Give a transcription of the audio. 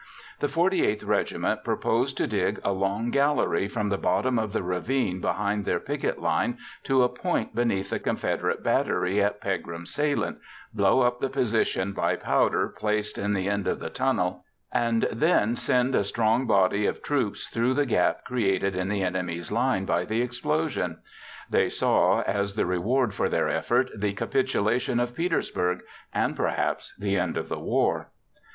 The 48th Regiment proposed to dig a long gallery from the bottom of the ravine behind their picket line to a point beneath the Confederate battery at Pegram's Salient, blow up the position by powder placed in the end of the tunnel, and then send a strong body of troops through the gap created in the enemy's line by the explosion. They saw as the reward for their effort the capitulation of Petersburg and, perhaps, the end of the war.